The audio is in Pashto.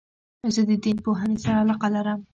زه د دین پوهني سره علاقه لرم.